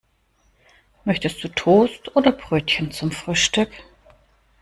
Möchtest du Toast oder Brötchen zum Frühstück?